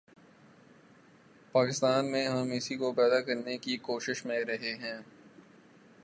پاکستان میں ہم اسی کو پیدا کرنے کی کوشش میں رہے ہیں۔